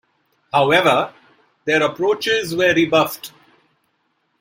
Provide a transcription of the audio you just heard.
However, their approaches were rebuffed.